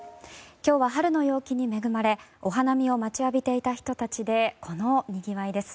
今日は、春の陽気に恵まれお花見を待ちわびていた人たちでこのにぎわいです。